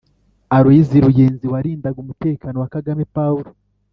Aloys Ruyenzi warindaga umutekano wa Kagame Pawulo